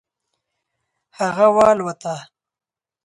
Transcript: هغه والوته.